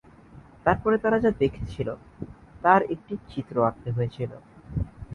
তারপরে তারা যা দেখেছিল তার একটি চিত্র আঁকতে হয়েছিল।